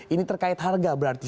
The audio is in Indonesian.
ini terkait harga berarti